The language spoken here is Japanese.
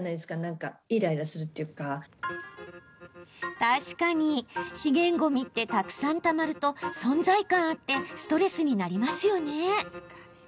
確かに資源ごみってたくさんたまると存在感あってストレスになりますよね？